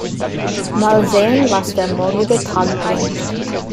Mal sehen, was der morgige Tag bringt.